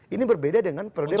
ini berbeda dengan prior incumbent